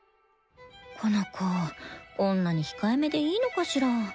この子こんなに控えめでいいのかしら？